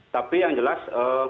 tapi yang jelas